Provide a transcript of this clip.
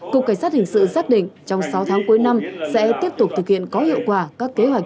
cục cảnh sát hình sự xác định trong sáu tháng cuối năm sẽ tiếp tục thực hiện có hiệu quả các kế hoạch